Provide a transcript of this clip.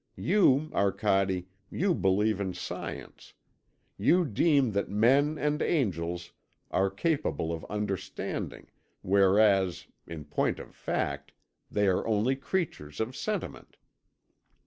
You, Arcade, you believe in Science; you deem that men and angels are capable of understanding, whereas, in point of fact, they are only creatures of sentiment.